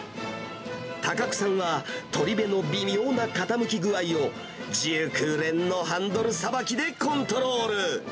高久さんは、取鍋の微妙な傾き具合を、熟練のハンドルさばきでコントロール。